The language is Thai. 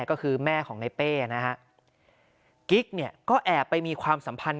ก็คือแม่ของในเป้นะฮะกิ๊กเนี่ยก็แอบไปมีความสัมพันธ์